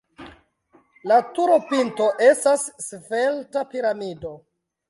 La turopinto estas svelta piramido.